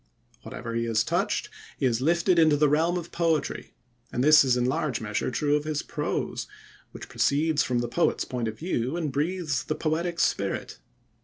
Whatever he has touched he has lifted into the realm of poetry, and this is in large measure true of his prose, which proceeds from the poet's point of view and breathes the poetic spirit.